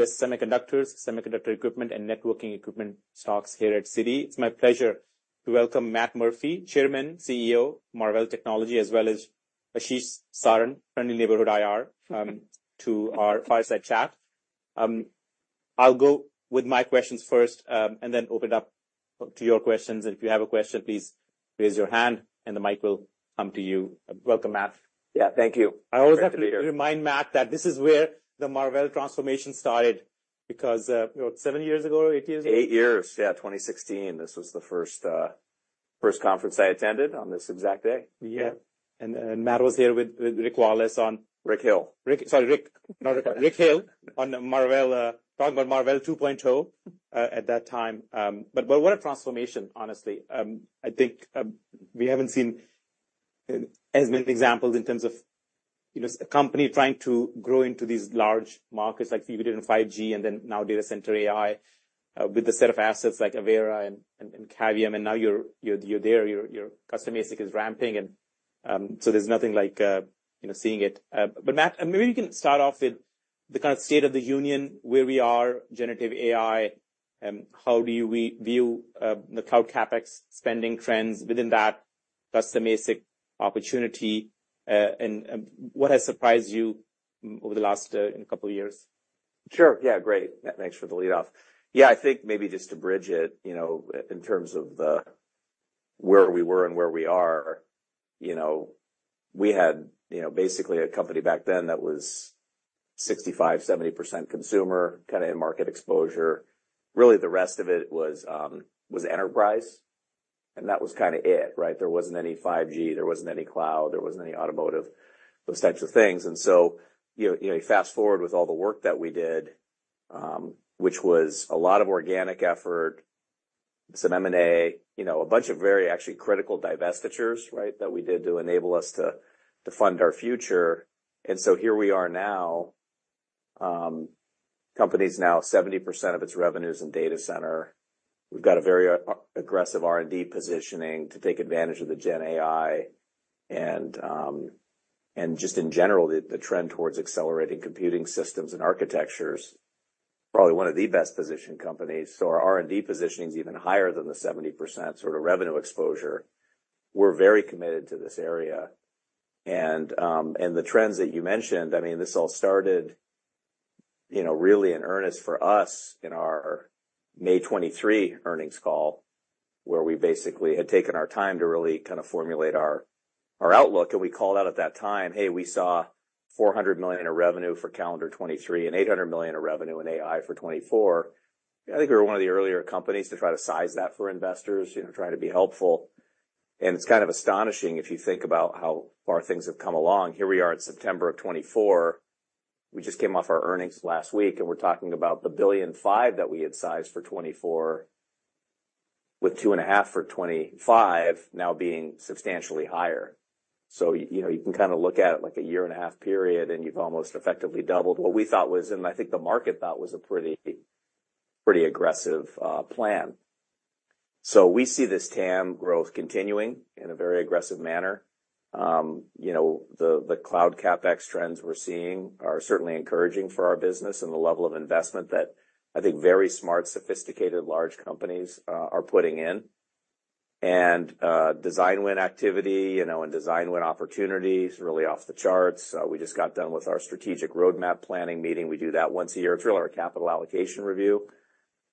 US semiconductors, semiconductor equipment, and networking equipment stocks here at Citi. It's my pleasure to welcome Matt Murphy, Chairman, CEO, Marvell Technology, as well as Ashish Saran, friendly neighborhood IR, to our fireside chat. I'll go with my questions first, and then open it up to your questions, and if you have a question, please raise your hand and the mic will come to you. Welcome, Matt. Yeah, thank you. Great to be here. I always have to remind Matt that this is where the Marvell transformation started, because, you know, seven years ago, or eight years ago? Eight years, yeah, 2016. This was the first conference I attended on this exact day. Yeah. Matt was here with Rick Wallace on- Rick Hill. Rick, sorry, Rick, not Rick, Rick Hill, on Marvell, talking about Marvell 2.0, at that time. But what a transformation, honestly. I think we haven't seen as many examples in terms of, you know, a company trying to grow into these large markets like you did in 5G and then now data center AI, with a set of assets like Avera and Cavium, and now you're there. Your custom ASIC is ramping and, so there's nothing like, you know, seeing it. But Matt, maybe you can start off with the kind of state of the union, where we are, generative AI, how do you view the Cloud CapEx spending trends within that custom ASIC opportunity, and what has surprised you over the last couple of years? Sure. Yeah, great. Matt, thanks for the lead off. Yeah, I think maybe just to bridge it, you know, in terms of where we were and where we are, you know, we had, you know, basically a company back then that was 65-70% consumer, kinda end market exposure. Really, the rest of it was enterprise, and that was kinda it, right? There wasn't any 5G, there wasn't any cloud, there wasn't any automotive, those types of things. And so, you know, you fast-forward with all the work that we did, which was a lot of organic effort, some M&A, you know, a bunch of very actually critical divestitures, right, that we did to enable us to fund our future. And so here we are now, company's now 70% of its revenue is in data center. We've got a very aggressive R&D positioning to take advantage of the Gen AI, and just in general, the trend towards accelerating computing systems and architectures, probably one of the best-positioned companies. So our R&D positioning is even higher than the 70% sort of revenue exposure. We're very committed to this area, and the trends that you mentioned. I mean, this all started, you know, really in earnest for us in our May 2023 earnings call, where we basically had taken our time to really kind of formulate our outlook. We called out at that time, "Hey, we saw $400 million in revenue for calendar 2023 and $800 million in revenue in AI for 2024." I think we were one of the earlier companies to try to size that for investors, you know, try to be helpful. It's kind of astonishing if you think about how far things have come along. Here we are in September of 2024. We just came off our earnings last week, and we're talking about the $1.5 billion that we had sized for 2024, with $2.5 billion for 2025, now being substantially higher. So you know, you can kinda look at it like a year-and-a-half period, and you've almost effectively doubled what we thought was, and I think the market thought was a pretty, pretty aggressive plan. So we see this TAM growth continuing in a very aggressive manner. You know, the cloud CapEx trends we're seeing are certainly encouraging for our business and the level of investment that I think very smart, sophisticated, large companies are putting in. And, design win activity, you know, and design win opportunities really off the charts. We just got done with our strategic roadmap planning meeting. We do that once a year. It's really our capital allocation review,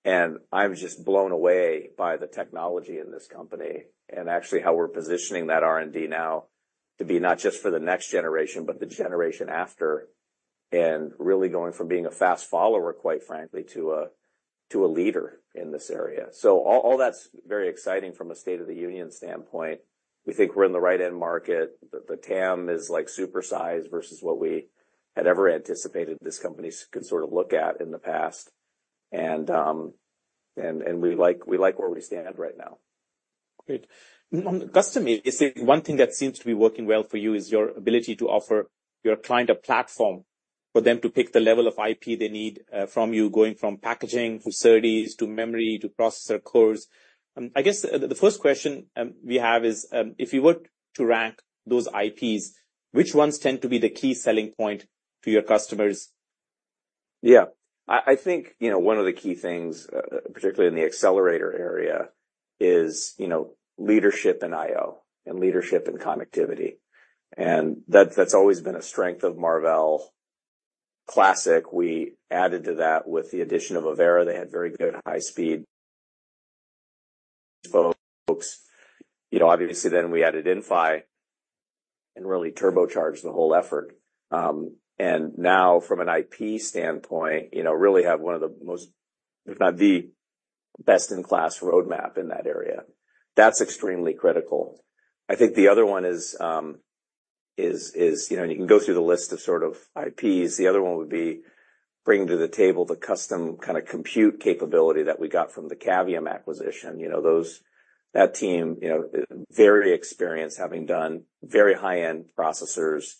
and I'm just blown away by the technology in this company and actually how we're positioning that R&D now to be not just for the next generation, but the generation after, and really going from being a fast follower, quite frankly, to a leader in this area. So all that's very exciting from a state of the union standpoint. We think we're in the right end market. The TAM is like super sized versus what we had ever anticipated this company could sort of look at in the past. And we like where we stand right now. Great. On the custom, is there one thing that seems to be working well for you is your ability to offer your client a platform for them to pick the level of IP they need from you, going from packaging to SerDes to memory to processor cores. I guess the first question we have is, if you were to rank those IPs, which ones tend to be the key selling point to your customers? Yeah. I think, you know, one of the key things, particularly in the accelerator area, is, you know, leadership in I/O and leadership in connectivity, and that's always been a strength of Marvell classic. We added to that with the addition of Avera. They had very good high speed folks. You know, obviously, then we added Inphi and really turbocharged the whole effort. And now from an IP standpoint, you know, really have one of the most, if not the best-in-class roadmap in that area. That's extremely critical. I think the other one is. You know, and you can go through the list of sort of IPs. The other one would be bringing to the table the custom kinda compute capability that we got from the Cavium acquisition. You know, that team, you know, very experienced, having done very high-end processors,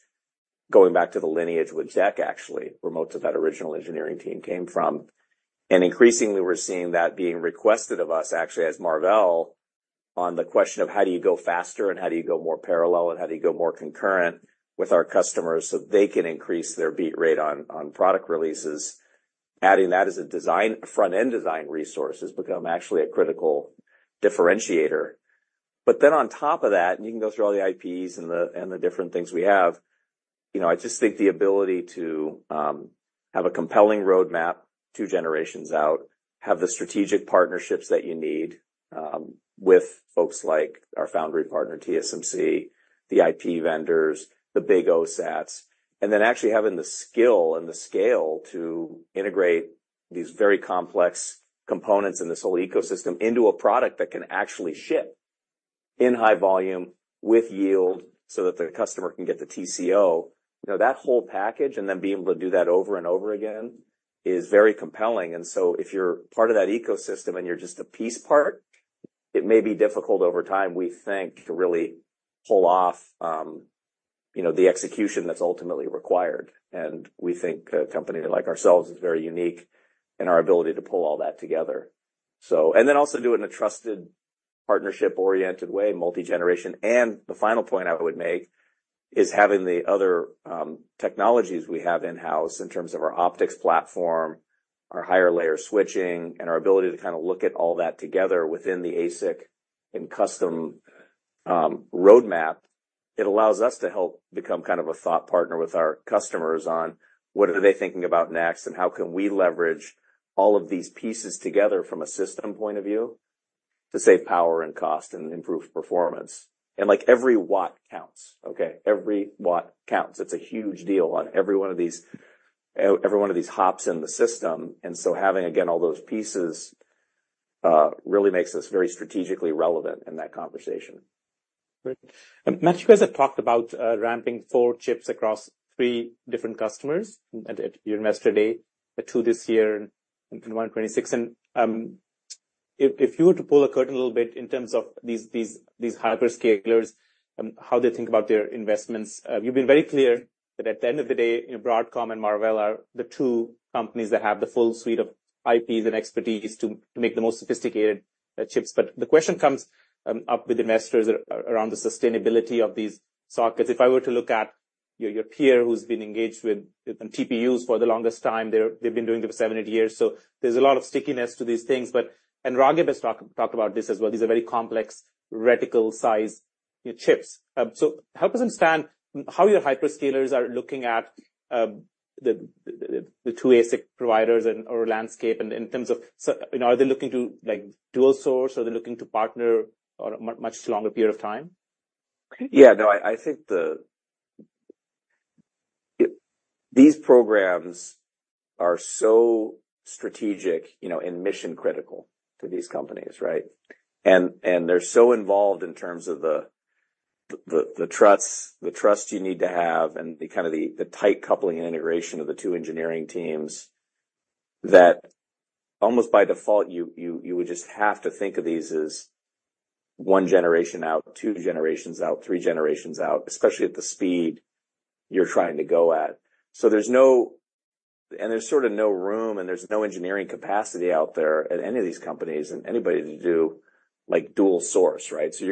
going back to the lineage with Zack, actually, where most of that original engineering team came from. And increasingly, we're seeing that being requested of us actually as Marvell on the question of how do you go faster, and how do you go more parallel, and how do you go more concurrent with our customers so they can increase their beat rate on product releases? Adding that as a design, front-end design resource has become actually a critical differentiator. But then on top of that, and you can go through all the IPs and the different things we have, you know, I just think the ability to have a compelling roadmap, two generations out, have the strategic partnerships that you need with folks like our foundry partner, TSMC, the IP vendors, the big OSATs, and then actually having the skill and the scale to integrate these very complex components in this whole ecosystem into a product that can actually ship in high volume with yield so that the customer can get the TCO. You know, that whole package, and then being able to do that over and over again, is very compelling. And so if you're part of that ecosystem and you're just a piece part, it may be difficult over time, we think, to really pull off, you know, the execution that's ultimately required. And we think a company like ourselves is very unique in our ability to pull all that together. So. And then also do it in a trusted, partnership-oriented way, multi-generation. And the final point I would make is having the other technologies we have in-house in terms of our optics platform, our higher layer switching, and our ability to kinda look at all that together within the ASIC and custom roadmap. It allows us to help become kind of a thought partner with our customers on what are they thinking about next, and how can we leverage all of these pieces together from a system point of view, to save power and cost and improve performance. Like, every watt counts, okay? Every watt counts. It's a huge deal on every one of these, every one of these hops in the system. So having, again, all those pieces, really makes us very strategically relevant in that conversation. Great. And Matt, you guys have talked about ramping four chips across three different customers at your Investor Day, two this year and one in twenty-six. And if you were to pull the curtain a little bit in terms of these hyperscalers and how they think about their investments. You've been very clear that at the end of the day, you know, Broadcom and Marvell are the two companies that have the full suite of IPs and expertise to make the most sophisticated chips. But the question comes up with investors around the sustainability of these sockets. If I were to look at your peer, who's been engaged with TPUs for the longest time, they've been doing it for seven, eight years, so there's a lot of stickiness to these things. And Raghib has talked about this as well. These are very complex, radically sized chips. So help us understand how your hyperscalers are looking at the two ASIC providers and/or landscape, and in terms of you know, are they looking to, like, dual source? Are they looking to partner on a much longer period of time? Yeah. No, I think the... These programs are so strategic, you know, and mission-critical to these companies, right? And they're so involved in terms of the trust you need to have and the kind of tight coupling and integration of the two engineering teams, that almost by default, you would just have to think of these as one generation out, two generations out, three generations out, especially at the speed you're trying to go at. So there's no, and there's sort of no room, and there's no engineering capacity out there at any of these companies and anybody to do, like, dual source, right? So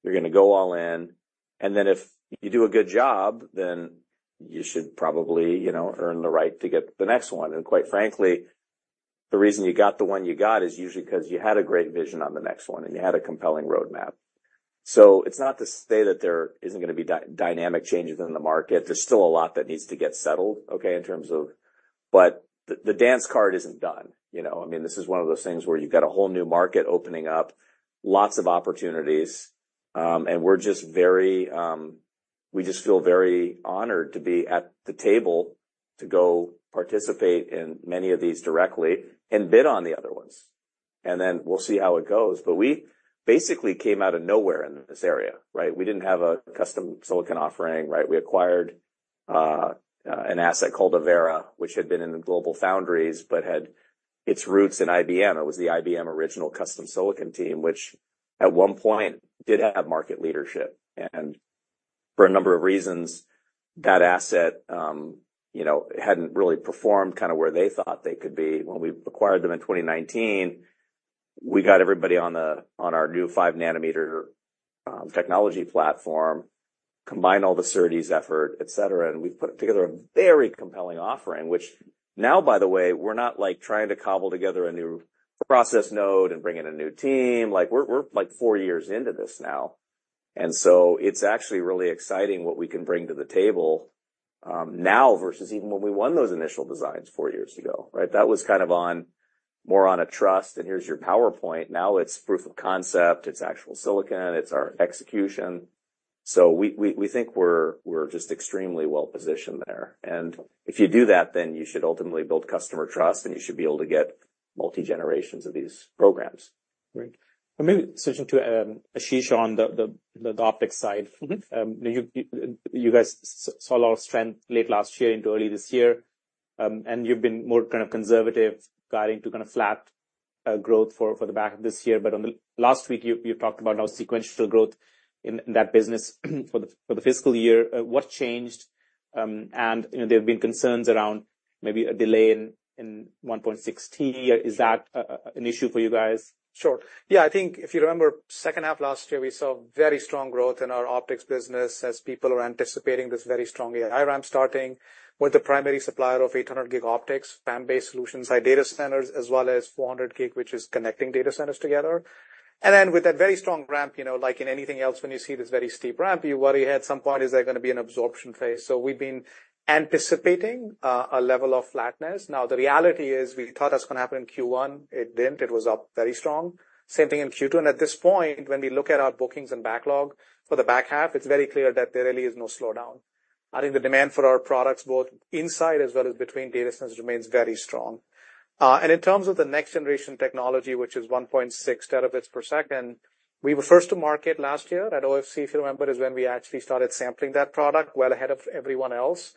you're gonna pick your partner, you're gonna go all in, and then if you do a good job, then you should probably, you know, earn the right to get the next one. And quite frankly, the reason you got the one you got is usually 'cause you had a great vision on the next one, and you had a compelling roadmap. So it's not to say that there isn't gonna be dynamic changes in the market. There's still a lot that needs to get settled, okay, in terms of... But the dance card isn't done, you know. I mean, this is one of those things where you've got a whole new market opening up, lots of opportunities, and we're just very. We just feel very honored to be at the table to go participate in many of these directly and bid on the other ones. And then we'll see how it goes. But we basically came out of nowhere in this area, right? We didn't have a custom silicon offering, right? We acquired an asset called Avera, which had been in GlobalFoundries, but had its roots in IBM. It was the IBM original custom silicon team, which at one point did have market leadership, and for a number of reasons, that asset, you know, hadn't really performed kind of where they thought they could be. When we acquired them in 2019, we got everybody on our new five-nanometer technology platform, combined all the SerDes effort, et cetera, and we've put together a very compelling offering, which now, by the way, we're not, like, trying to cobble together a new process node and bring in a new team. Like, we're like four years into this now, and so it's actually really exciting what we can bring to the table now versus even when we won those initial designs four years ago, right? That was kind of on more on a trust, and here's your PowerPoint. Now it's proof of concept. It's actual silicon. It's our execution. So we think we're just extremely well-positioned there, and if you do that, then you should ultimately build customer trust, and you should be able to get multi-generations of these programs. Great. And maybe switching to Ashish on the optics side. Mm-hmm. You guys saw a lot of strength late last year into early this year, and you've been more kind of conservative, guiding to kind of flat growth for the back of this year, but on the last week, you talked about now sequential growth in that business for the fiscal year. What changed, and you know, there have been concerns around maybe a delay in 1.6T. Is that an issue for you guys? Sure. Yeah, I think if you remember, second half last year, we saw very strong growth in our optics business as people are anticipating this very strong AI ramp starting. We're the primary supplier of 800 gig optics, PAM-based solutions by data centers, as well as 400 gig, which is connecting data centers together. And then with that very strong ramp, you know, like in anything else, when you see this very steep ramp, you worry at some point, is there gonna be an absorption phase? So we've been anticipating a level of flatness. Now, the reality is, we thought that's gonna happen in Q1. It didn't. It was up very strong. Same thing in Q2, and at this point, when we look at our bookings and backlog for the back half, it's very clear that there really is no slowdown. I think the demand for our products, both inside as well as between data centers, remains very strong, and in terms of the next generation technology, which is 1.6 terabits per second, we were first to market last year at OFC, if you remember, is when we actually started sampling that product, well ahead of everyone else.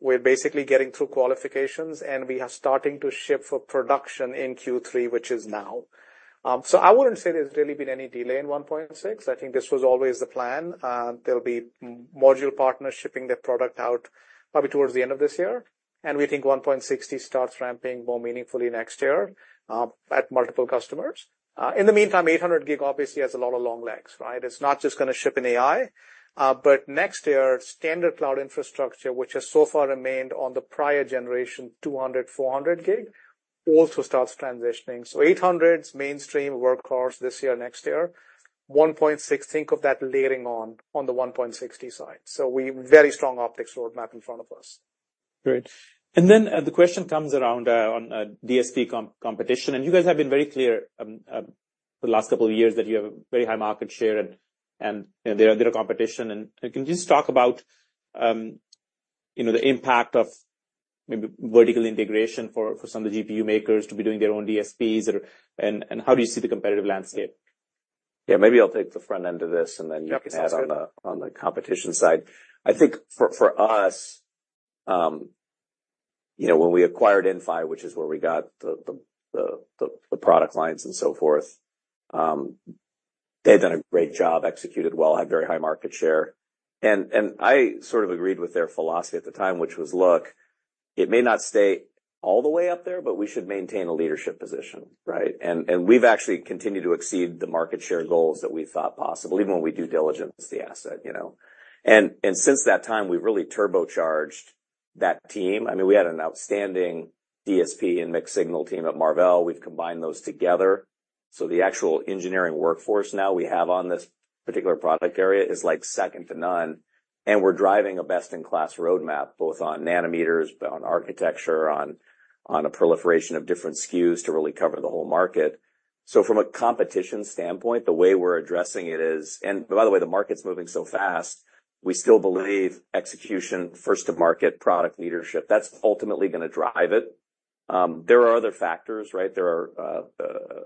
We're basically getting through qualifications, and we are starting to ship for production in Q3, which is now, so I wouldn't say there's really been any delay in 1.6. I think this was always the plan. There'll be module partners shipping their product out probably towards the end of this year, and we think 1.6T starts ramping more meaningfully next year, at multiple customers. In the meantime, eight hundred gig obviously has a lot of long legs, right? It's not just gonna ship in AI, but next year, standard cloud infrastructure, which has so far remained on the prior generation, 200, 400 gig, also starts transitioning, so 800's mainstream workhorse this year, next year. 1.6, think of that layering on, on the 1.6T side, so we very strong optics roadmap in front of us. Great. And then the question comes around on DSP competition, and you guys have been very clear the last couple of years that you have a very high market share and, you know, there are little competition. And can you just talk about, you know, the impact of maybe vertical integration for some of the GPU makers to be doing their own DSPs or, and how do you see the competitive landscape? Yeah, maybe I'll take the front end of this, and then- Yeah. You can add on the competition side. I think for us, you know, when we acquired Inphi, which is where we got the product lines and so forth, they've done a great job, executed well, had very high market share. And I sort of agreed with their philosophy at the time, which was: look, it may not stay all the way up there, but we should maintain a leadership position, right? And we've actually continued to exceed the market share goals that we thought possible, even when we due diligence the asset, you know. And since that time, we've really turbocharged that team. I mean, we had an outstanding DSP and mixed signal team at Marvell. We've combined those together. So the actual engineering workforce now we have on this particular product area is, like, second to none, and we're driving a best-in-class roadmap, both on nanometers, on architecture, on a proliferation of different SKUs to really cover the whole market. So from a competition standpoint, the way we're addressing it is, and by the way, the market's moving so fast, we still believe execution, first to market, product leadership, that's ultimately gonna drive it. There are other factors, right? There are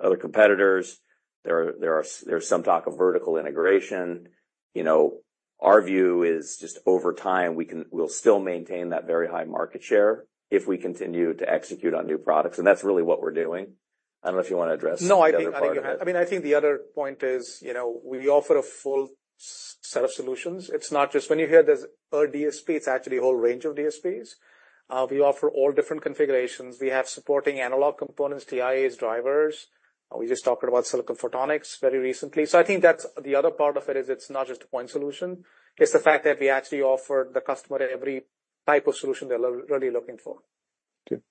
other competitors. There's some talk of vertical integration. You know, our view is just over time, we can, we'll still maintain that very high market share if we continue to execute on new products, and that's really what we're doing. I don't know if you wanna address the other part of it. No, I think, I mean, I think the other point is, you know, we offer a full set of solutions. It's not just when you hear there's a DSP, it's actually a whole range of DSPs. We offer all different configurations. We have supporting analog components, TIAs, drivers. We just talked about silicon photonics very recently. So I think that's the other part of it, is it's not just a point solution. It's the fact that we actually offer the customer every type of solution they're really looking for. Okay.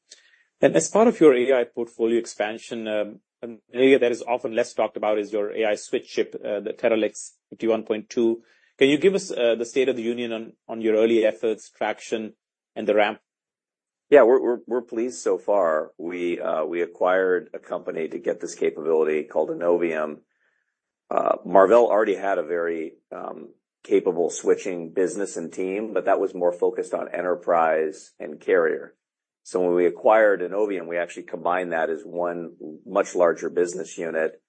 And as part of your AI portfolio expansion, an area that is often less talked about is your AI switch chip, the Teralynx 51.2. Can you give us the state of the union on your early efforts, traction, and the ramp? Yeah, we're pleased so far. We acquired a company to get this capability called Innovium. Marvell already had a very capable switching business and team, but that was more focused on enterprise and carrier. So when we acquired Innovium, we actually combined that as one much larger business unit.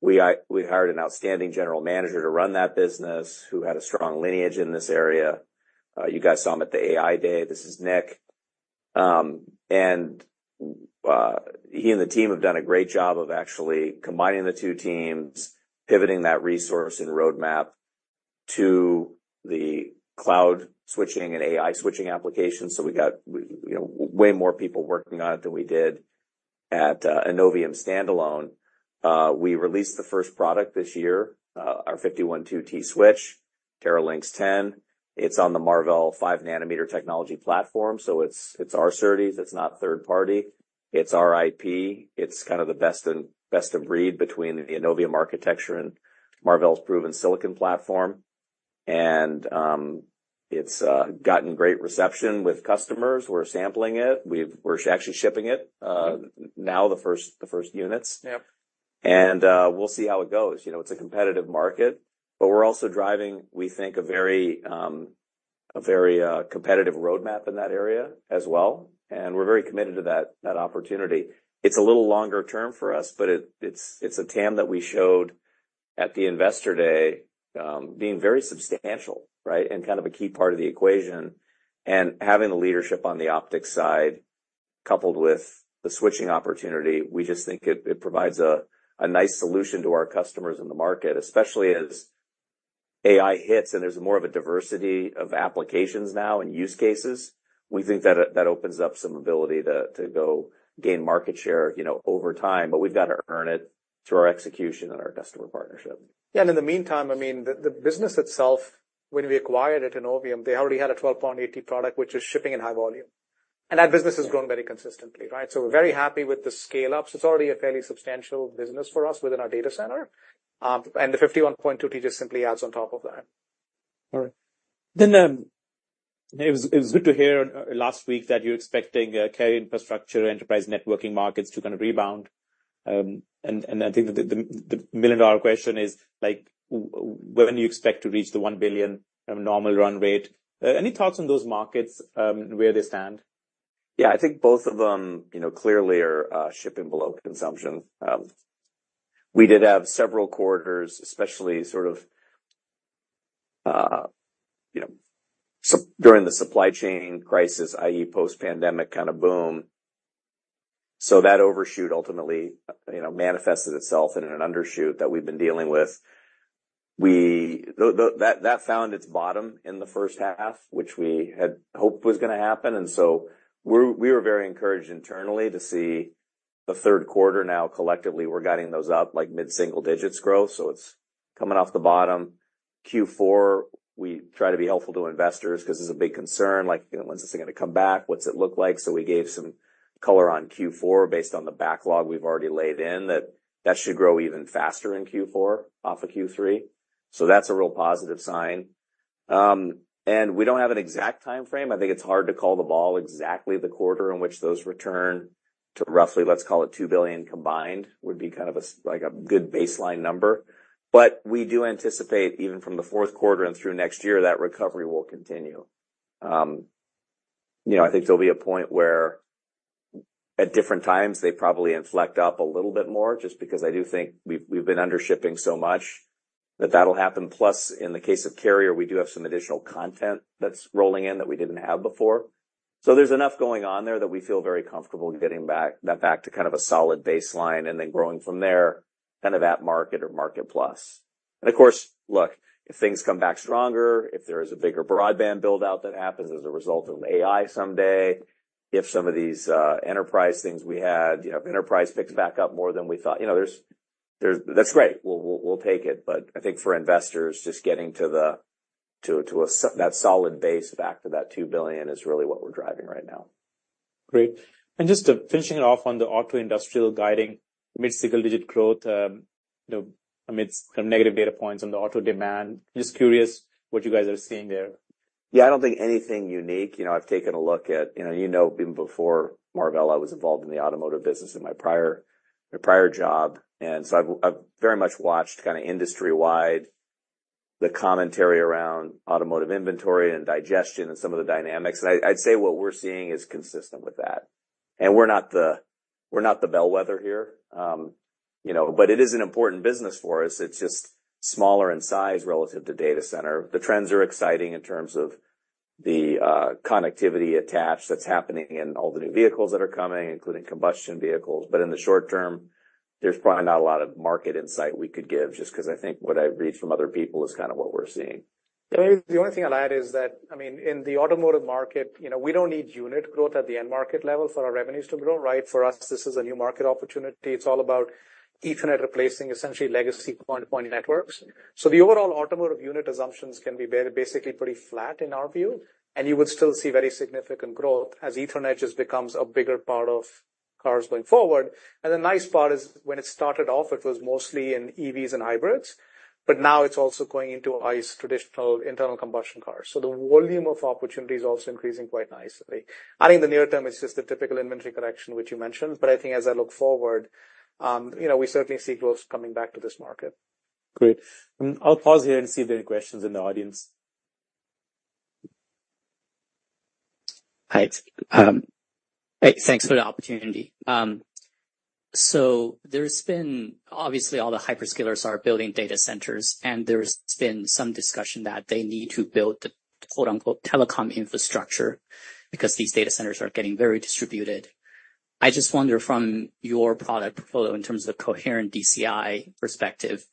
We hired an outstanding general manager to run that business, who had a strong lineage in this area. You guys saw him at the AI Day. This is Nick, and he and the team have done a great job of actually combining the two teams, pivoting that resource and roadmap to the cloud switching and AI switching applications. So we got, you know, way more people working on it than we did at Innovium standalone. We released the first product this year, our 51.2 T switch, Teralynx 10. It's on the Marvell five-nanometer technology platform, so it's our series. It's not third party. It's our IP. It's kind of the best of breed between the Innovium architecture and Marvell's proven silicon platform. It's gotten great reception with customers. We're sampling it. We're actually shipping it now, the first units. Yep. And we'll see how it goes. You know, it's a competitive market, but we're also driving, we think, a very competitive roadmap in that area as well, and we're very committed to that opportunity. It's a little longer term for us, but it's a TAM that we showed at the Investor Day, being very substantial, right? And kind of a key part of the equation. And having the leadership on the optics side, coupled with the switching opportunity, we just think it provides a nice solution to our customers in the market, especially as AI hits, and there's more of a diversity of applications now and use cases, we think that opens up some ability to go gain market share, you know, over time. But we've got to earn it through our execution and our customer partnership. Yeah, and in the meantime, I mean, the business itself, when we acquired it in Innovium, they already had a 12.8T product, which is shipping in high volume, and that business has grown very consistently, right? So we're very happy with the scale-up. It's already a fairly substantial business for us within our data center. And the 51.2 just simply adds on top of that. All right. Then, it was good to hear last week that you're expecting carrier infrastructure, enterprise networking markets to kind of rebound. And I think the million-dollar question is like, when do you expect to reach the one billion of normal run rate? Any thoughts on those markets, and where they stand? Yeah, I think both of them, you know, clearly are shipping below consumption. We did have several quarters, especially sort of during the supply chain crisis, i.e., post-pandemic kind of boom. So that overshoot ultimately, you know, manifested itself in an undershoot that we've been dealing with. That found its bottom in the first half, which we had hoped was gonna happen, and so we were very encouraged internally to see the third quarter. Now, collectively, we're guiding those up like mid-single digits growth, so it's coming off the bottom. Q4, we try to be helpful to investors because there's a big concern, like, you know, when is this gonna come back? What's it look like? So we gave some color on Q4 based on the backlog we've already laid in, that should grow even faster in Q4 off of Q3. So that's a real positive sign, and we don't have an exact timeframe. I think it's hard to call the ball exactly the quarter in which those return to roughly, let's call it two billion combined, would be kind of a, like a good baseline number. But we do anticipate, even from the fourth quarter and through next year, that recovery will continue. You know, I think there'll be a point where at different times, they probably inflect up a little bit more just because I do think we've been under shipping so much that that'll happen. Plus, in the case of carrier, we do have some additional content that's rolling in that we didn't have before. So there's enough going on there that we feel very comfortable getting back to kind of a solid baseline and then growing from there, kind of at market or market plus. And of course, look, if things come back stronger, if there is a bigger broadband build-out that happens as a result of AI someday, if some of these enterprise things we had, you know, enterprise picks back up more than we thought, you know, there's that's great, we'll take it. But I think for investors, just getting to that solid base back to that $2 billion is really what we're driving right now. Great. And just finishing it off on the auto industrial guiding mid-single-digit growth, you know, amidst kind of negative data points on the auto demand. Just curious what you guys are seeing there. Yeah, I don't think anything unique. You know, I've taken a look at, you know, even before Marvell, I was involved in the automotive business in my prior job, and so I've very much watched kind of industry-wide, the commentary around automotive inventory and digestion and some of the dynamics. And I'd say what we're seeing is consistent with that. And we're not the, we're not the bellwether here, you know, but it is an important business for us. It's just smaller in size relative to data center. The trends are exciting in terms of the connectivity attached that's happening in all the new vehicles that are coming, including combustion vehicles. But in the short term, there's probably not a lot of market insight we could give, just because I think what I've read from other people is kind of what we're seeing. The only thing I'd add is that, I mean, in the automotive market, you know, we don't need unit growth at the end market level for our revenues to grow, right? For us, this is a new market opportunity. It's all about Ethernet replacing essentially legacy point-to-point networks. So the overall automotive unit assumptions can be very basically pretty flat in our view, and you would still see very significant growth as Ethernet just becomes a bigger part of cars going forward. And the nice part is, when it started off, it was mostly in EVs and hybrids, but now it's also going into ICE, traditional internal combustion cars. So the volume of opportunity is also increasing quite nicely. I think the near term is just the typical inventory correction, which you mentioned, but I think as I look forward, you know, we certainly see growth coming back to this market. Great. I'll pause here and see if there are any questions in the audience. Hi. Hey, thanks for the opportunity. So there's been, obviously, all the hyperscalers are building data centers, and there's been some discussion that they need to build the quote-unquote, "telecom infrastructure," because these data centers are getting very distributed. I just wonder from your product portfolio, in terms of coherent DCI perspective,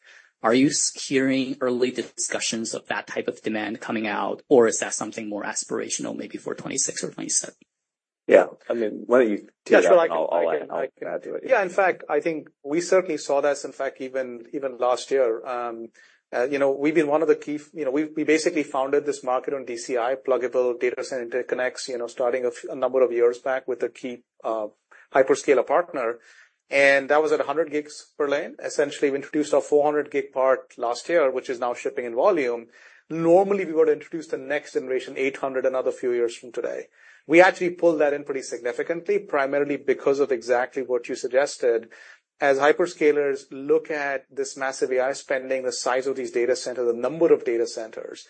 are you hearing early discussions of that type of demand coming out, or is that something more aspirational, maybe for 2026 or 2027? Yeah, I mean, why don't you tee it up, and I'll, I'll add to it. Yeah, in fact, I think we certainly saw this, in fact, even, even last year. You know, we've been one of the key... You know, we, we basically founded this market on DCI, pluggable data center connects, you know, starting a number of years back with a key hyperscaler partner, and that was at a hundred gigs per lane. Essentially, we introduced our four hundred gig part last year, which is now shipping in volume. Normally, we would introduce the next generation, eight hundred, another few years from today. We actually pulled that in pretty significantly, primarily because of exactly what you suggested. As hyperscalers look at this massive AI spending, the size of these data centers, the number of data centers,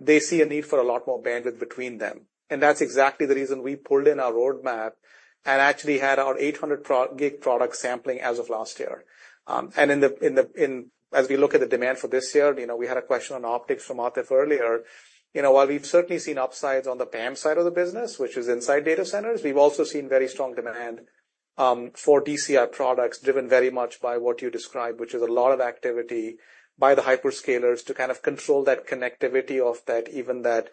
they see a need for a lot more bandwidth between them. That's exactly the reason we pulled in our roadmap and actually had our 800 gig product sampling as of last year. In the as we look at the demand for this year, you know, we had a question on optics from Atif earlier. You know, while we've certainly seen upsides on the PAM side of the business, which is inside data centers, we've also seen very strong demand for DCI products, driven very much by what you described, which is a lot of activity by the hyperscalers to kind of control that connectivity of that, even that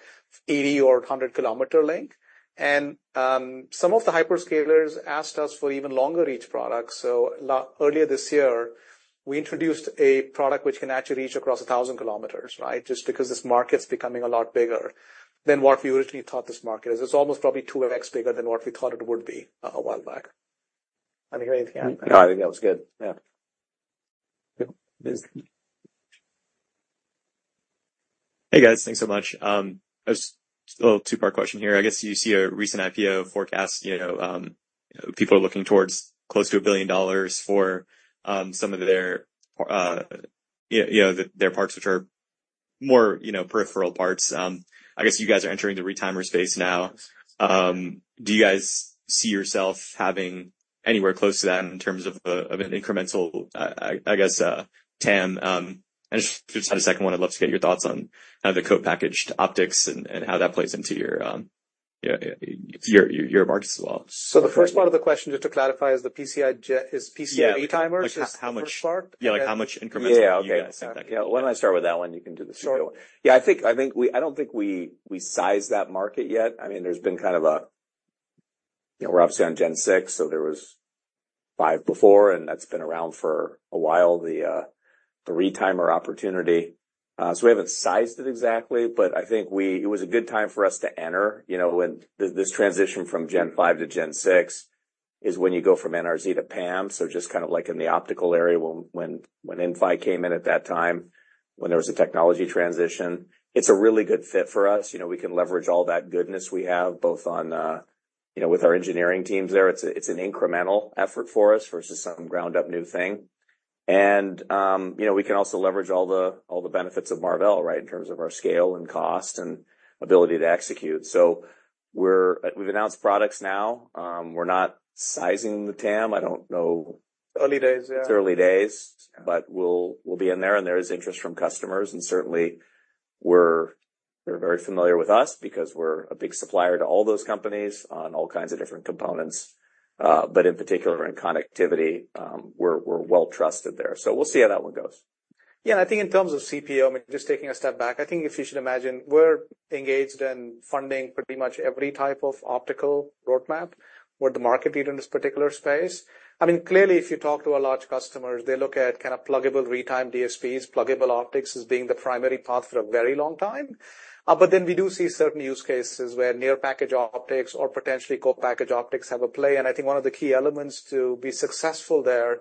80 or 100-km length. Some of the hyperscalers asked us for even longer reach products. So earlier this year, we introduced a product which can actually reach across 1000 km, right? Just because this market's becoming a lot bigger than what we originally thought this market is. It's almost probably two X bigger than what we thought it would be a while back. I think we can- No, I think that was good. Yeah. Hey, guys. Thanks so much. Just a little two-part question here. I guess you see a recent IPO forecast, you know, people are looking towards close to $1 billion for some of their, you know, their parts, which are more, you know, peripheral parts. I guess you guys are entering the retimer space now. Do you guys see yourself having anywhere close to that in terms of of an incremental, I guess, TAM? I just had a second one. I'd love to get your thoughts on kind of the co-packaged optics and how that plays into your, yeah, your markets as well. So the first part of the question, just to clarify, is the PCIe Gen... PCIe retimers? Yeah. How much- The first part. Yeah, like, how much incremental do you guys think that? Yeah. Why don't I start with that one? You can do the second one. Sure. Yeah, I think we-- I don't think we sized that market yet. I mean, there's been kind of a, you know, we're obviously on Gen Six, so there was five before, and that's been around for a while, the retimer opportunity. So we haven't sized it exactly, but I think we-- it was a good time for us to enter, you know, when this, this transition from Gen 5 to Gen 6 is when you go from NRZ to PAM. So just kind of like in the optical area when Inphi came in at that time when there was a technology transition. It's a really good fit for us. You know, we can leverage all that goodness we have, both on, you know, with our engineering teams there. It's an incremental effort for us versus some ground up new thing. And, you know, we can also leverage all the benefits of Marvell, right? In terms of our scale and cost and ability to execute. So we've announced products now. We're not sizing the TAM. I don't know- Early days, yeah. It's early days, but we'll, we'll be in there, and there is interest from customers, and certainly we're, they're very familiar with us because we're a big supplier to all those companies on all kinds of different components, but in particular, in connectivity, we're, we're well trusted there, so we'll see how that one goes. Yeah, I think in terms of CPO, I mean, just taking a step back, I think if you should imagine, we're engaged in funding pretty much every type of optical roadmap where the market lead in this particular space. I mean, clearly, if you talk to our large customers, they look at kind of pluggable retimed DSPs, pluggable optics as being the primary path for a very long time. But then we do see certain use cases where near package optics or potentially co-package optics have a play. And I think one of the key elements to be successful there,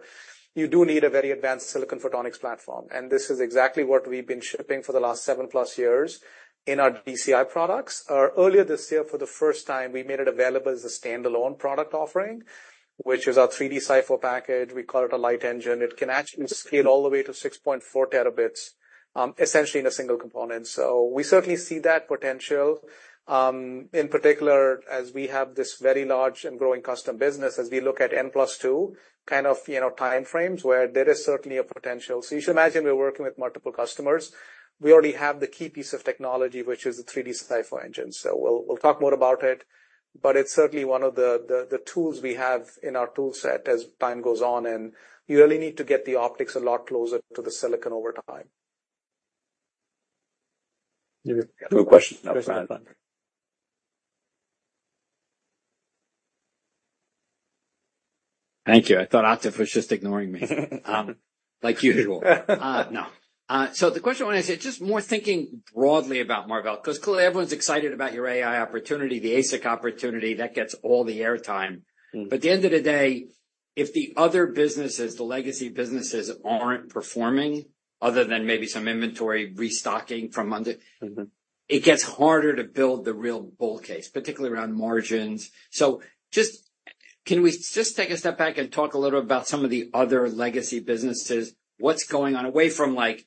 you do need a very advanced silicon photonics platform. This is exactly what we've been shipping for the last seven-plus years in our DCI products. Earlier this year, for the first time, we made it available as a standalone product offering, which is our 3D SiPho package. We call it a light engine. It can actually scale all the way to six point four terabits, essentially in a single component. So we certainly see that potential, in particular, as we have this very large and growing custom business, as we look at N plus two, kind of, you know, time frames where there is certainly a potential. So you should imagine we're working with multiple customers. We already have the key piece of technology, which is the 3D SiPho Engine. So we'll talk more about it, but it's certainly one of the tools we have in our toolset as time goes on, and you really need to get the optics a lot closer to the silicon over time. You have a question? Thank you. I thought Atif was just ignoring me, like usual, so the question I want to ask you, just more thinking broadly about Marvell, because clearly everyone's excited about your AI opportunity, the ASIC opportunity. That gets all the airtime. Mm-hmm. But at the end of the day, if the other businesses, the legacy businesses, aren't performing, other than maybe some inventory restocking from under- Mm-hmm. It gets harder to build the real bull case, particularly around margins. So just... Can we just take a step back and talk a little about some of the other legacy businesses? What's going on, away from like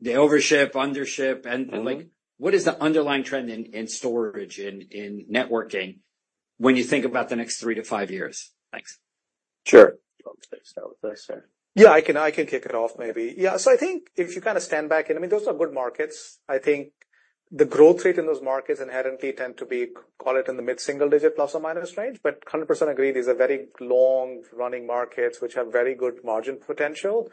the overship, undership, and- Mm-hmm. Like, what is the underlying trend in storage, in networking when you think about the next three to five years? Thanks. Sure. Do you want to start with this? Yeah, I can kick it off maybe. Yeah, so I think if you kind of stand back and I mean, those are good markets. I think the growth rate in those markets inherently tend to be, call it in the mid-single digit, plus or minus range, but 100% agree, these are very long-running markets which have very good margin potential.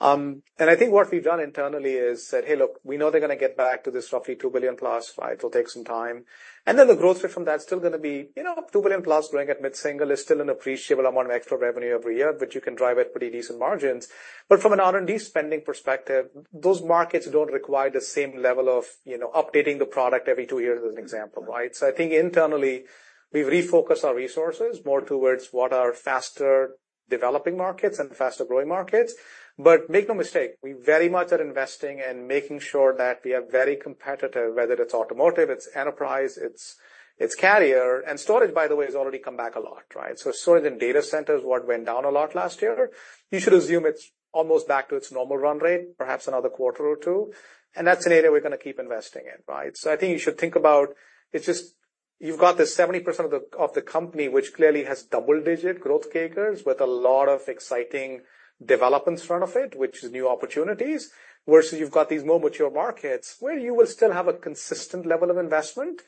And I think what we've done internally is said: Hey, look, we know they're gonna get back to this roughly $2 billion plus, right? It'll take some time. And then the growth rate from that is still gonna be, you know, $2 billion plus growing at mid-single is still an appreciable amount of extra revenue every year, which you can drive at pretty decent margins. But from an R&D spending perspective, those markets don't require the same level of, you know, updating the product every two years as an example, right? So I think internally, we've refocused our resources more towards what are faster developing markets and faster-growing markets. But make no mistake, we very much are investing and making sure that we are very competitive, whether it's automotive, it's enterprise, it's carrier. And storage, by the way, has already come back a lot, right? So storage in data centers, what went down a lot last year, you should assume it's almost back to its normal run rate, perhaps another quarter or two, and that's an area we're gonna keep investing in, right? So I think you should think about... It's just, you've got this 70% of the company, which clearly has double-digit growth figures with a lot of exciting developments in front of it, which is new opportunities. Versus you've got these more mature markets, where you will still have a consistent level of investment,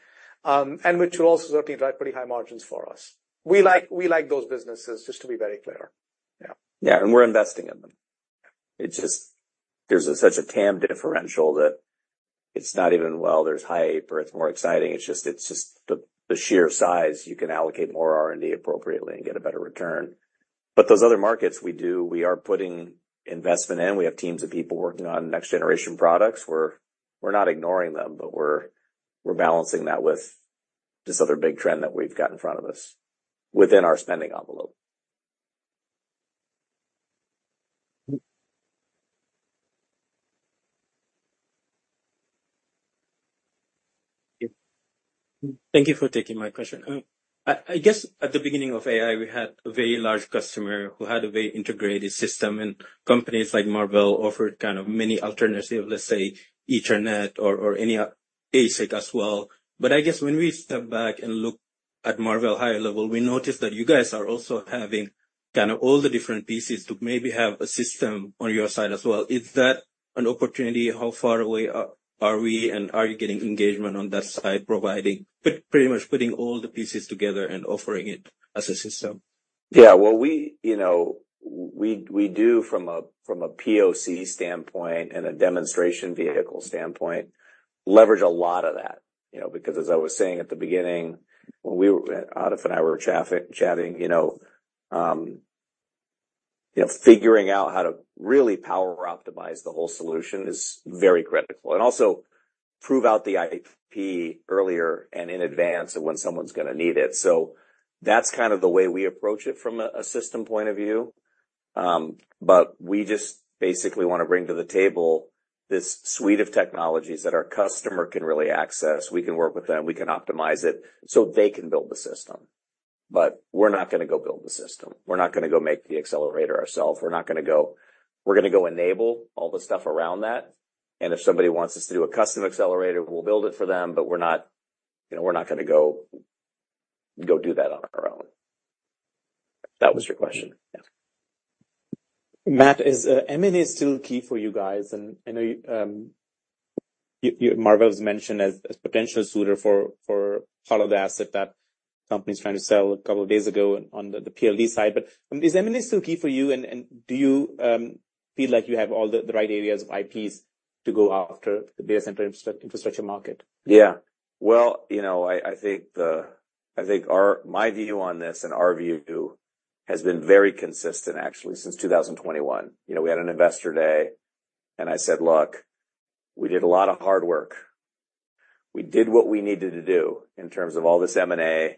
and which will also certainly drive pretty high margins for us. We like those businesses, just to be very clear. Yeah. Yeah, and we're investing in them. It just, there's such a TAM differential that it's not even, well, there's hype or it's more exciting. It's just, it's just the sheer size. You can allocate more R&D appropriately and get a better return. But those other markets we do, we are putting investment in. We have teams of people working on next generation products. We're not ignoring them, but we're balancing that with this other big trend that we've got in front of us within our spending envelope. Thank you for taking my question. I guess at the beginning of AI, we had a very large customer who had a very integrated system, and companies like Marvell offered kind of many alternative, let's say, Ethernet or any ASIC as well. But I guess when we step back and look at Marvell higher level, we noticed that you guys are also having kind of all the different pieces to maybe have a system on your side as well. Is that an opportunity? How far away are we, and are you getting engagement on that side, providing pretty much putting all the pieces together and offering it as a system? Yeah, well, we, you know, we do from a POC standpoint and a demonstration vehicle standpoint, leverage a lot of that. You know, because as I was saying at the beginning, when we were out of an hour of traffic chatting, you know, figuring out how to really power optimize the whole solution is very critical, and also prove out the IP earlier and in advance of when someone's gonna need it. So that's kind of the way we approach it from a system point of view. But we just basically wanna bring to the table this suite of technologies that our customer can really access. We can work with them, we can optimize it so they can build the system, but we're not gonna go build the system. We're not gonna go make the accelerator ourselves. We're not gonna go... We're gonna go enable all the stuff around that, and if somebody wants us to do a custom accelerator, we'll build it for them, but we're not, you know, we're not gonna go do that on our own. If that was your question? Yeah. Matt, is M&A still key for you guys? And I know, you Marvell's mentioned as potential suitor for part of the asset that company's trying to sell a couple of days ago on the PLD side. But is M&A still key for you, and do you feel like you have all the right areas of IPs to go after the data center infrastructure market? Yeah. Well, you know, I think my view on this and our view has been very consistent, actually, since two thousand and twenty-one. You know, we had an investor day, and I said, "Look, we did a lot of hard work. We did what we needed to do in terms of all this M&A.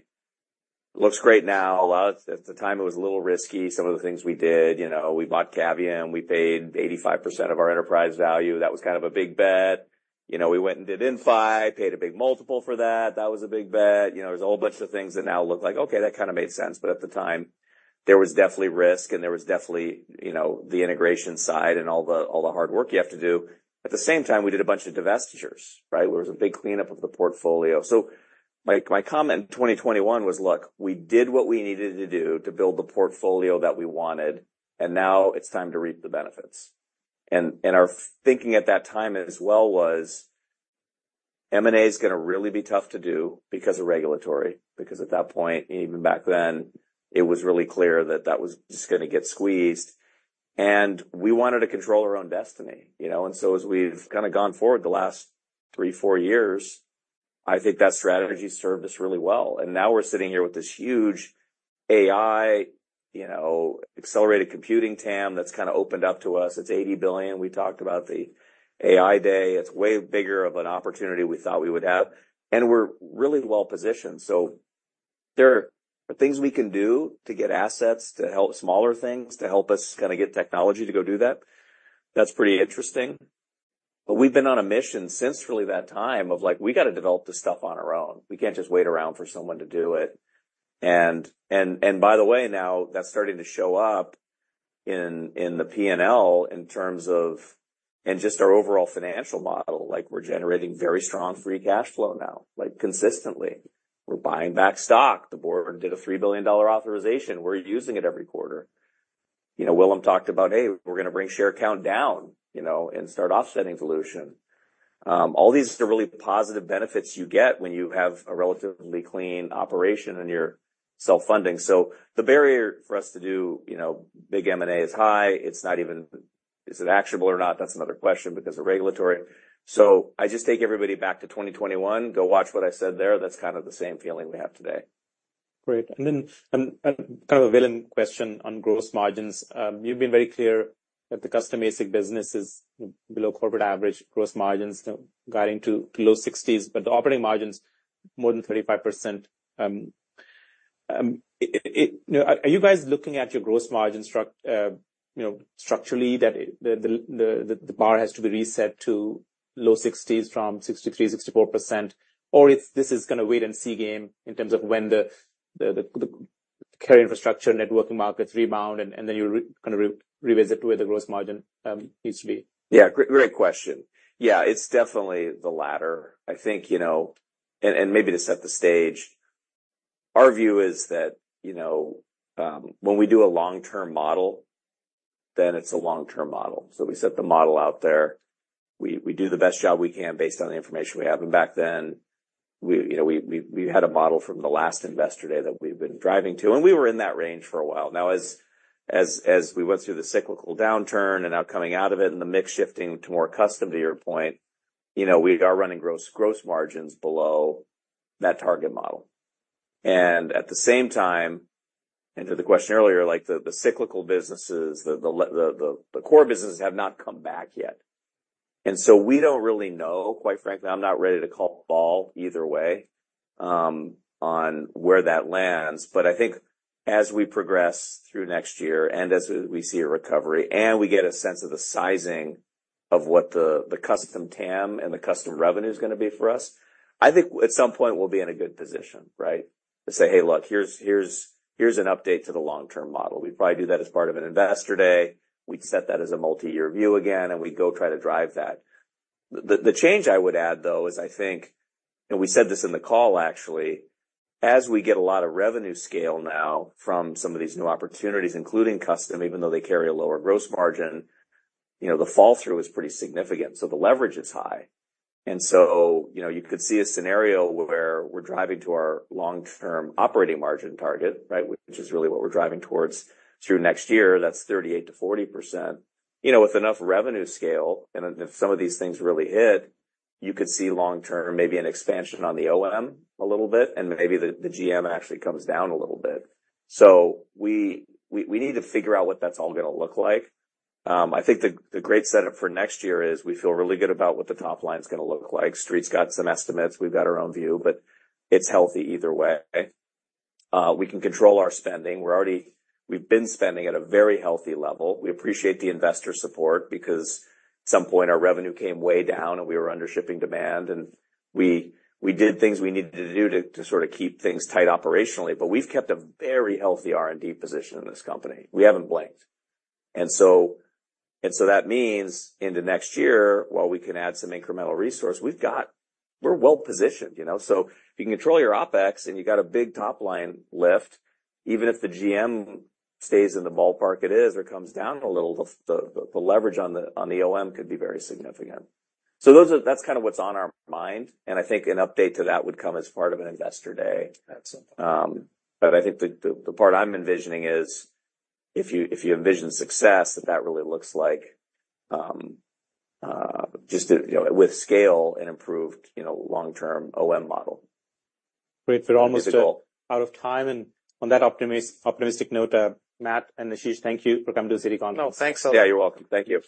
Looks great now. A lot at the time, it was a little risky. Some of the things we did, you know, we bought Cavium, we paid 85% of our enterprise value. That was kind of a big bet. You know, we went and did Inphi, paid a big multiple for that. That was a big bet." You know, there's a whole bunch of things that now look like, okay, that kind of made sense, but at the time, there was definitely risk, and there was definitely, you know, the integration side and all the hard work you have to do. At the same time, we did a bunch of divestitures, right? There was a big cleanup of the portfolio. So my comment in twenty twenty-one was: Look, we did what we needed to do to build the portfolio that we wanted, and now it's time to reap the benefits. And our thinking at that time as well was, M&A is gonna really be tough to do because of regulatory, because at that point, even back then, it was really clear that that was just gonna get squeezed, and we wanted to control our own destiny, you know? So as we've kinda gone forward the last three, four years, I think that strategy served us really well. Now we're sitting here with this huge AI, you know, accelerated computing TAM that's kind of opened up to us. It's $80 billion. We talked about the AI Day. It's way bigger of an opportunity we thought we would have, and we're really well positioned. So there are things we can do to get assets, to help smaller things, to help us kinda get technology to go do that. That's pretty interesting. But we've been on a mission since really that time of like, we got to develop this stuff on our own. We can't just wait around for someone to do it. And by the way, now that's starting to show up in the P&L in terms of and just our overall financial model. Like, we're generating very strong free cash flow now, like, consistently. We're buying back stock. The board did a $3 billion authorization. We're using it every quarter. You know, Willem talked about, "Hey, we're gonna bring share count down, you know, and start offsetting dilution." All these are really positive benefits you get when you have a relatively clean operation and you're self-funding. So the barrier for us to do, you know, big M&A is high. It's not even, is it actionable or not? That's another question, because of regulatory. So I just take everybody back to twenty twenty-one. Go watch what I said there. That's kind of the same feeling we have today. Great. And then, kind of a villain question on gross margins. You've been very clear that the custom ASIC business is below corporate average gross margins, guiding to low 60s%, but the operating margins more than 35%. Are you guys looking at your gross margin structure, you know, structurally, that the bar has to be reset to low 60s% from 63%-64%? Or if this is gonna wait and see game in terms of when the carrier infrastructure networking markets rebound, and then you kind of revisit where the gross margin needs to be? Yeah, great, great question. Yeah, it's definitely the latter. I think, you know, and maybe to set the stage, our view is that, you know, when we do a long-term model, then it's a long-term model. So we set the model out there. We do the best job we can based on the information we have and back then. We, you know, we had a model from the last investor day that we've been driving to, and we were in that range for a while. Now, as we went through the cyclical downturn and now coming out of it, and the mix shifting to more custom, to your point, you know, we are running gross margins below that target model. And at the same time, and to the question earlier, like, the core businesses have not come back yet. And so we don't really know, quite frankly. I'm not ready to call it either way on where that lands. But I think as we progress through next year, and as we see a recovery, and we get a sense of the sizing of what the custom TAM and the custom revenue is gonna be for us, I think at some point we'll be in a good position, right? To say, "Hey, look, here's an update to the long-term model." We'd probably do that as part of an investor day. We'd set that as a multi-year view again, and we go try to drive that. The change I would add, though, is I think, and we said this in the call actually, as we get a lot of revenue scale now from some of these new opportunities, including custom, even though they carry a lower gross margin, you know, the fall through is pretty significant, so the leverage is high. And so, you know, you could see a scenario where we're driving to our long-term operating margin target, right? Which is really what we're driving towards through next year. That's 38%-40%. You know, with enough revenue scale and if some of these things really hit, you could see long term, maybe an expansion on the OM a little bit, and maybe the GM actually comes down a little bit. So we need to figure out what that's all gonna look like. I think the great setup for next year is we feel really good about what the top line is gonna look like. Street's got some estimates, we've got our own view, but it's healthy either way. We can control our spending. We're already... We've been spending at a very healthy level. We appreciate the investor support because at some point our revenue came way down, and we were under shipping demand, and we did things we needed to do to sort of keep things tight operationally. But we've kept a very healthy R&D position in this company. We haven't blinked. And so that means into next year, while we can add some incremental resource, we've got, we're well positioned, you know? So if you can control your OpEx and you've got a big top line lift, even if the GM stays in the ballpark it is or comes down a little, the leverage on the OM could be very significant. So those are, that's kind of what's on our mind, and I think an update to that would come as part of an investor day. That's it. But I think the part I'm envisioning is if you envision success, that really looks like, just, you know, with scale and improved, you know, long-term OM model. Great. We're almost out of time and on that optimistic note, Matt and Ashish, thank you for coming to the Citi Conference. No, thanks a lot. Yeah, you're welcome. Thank you.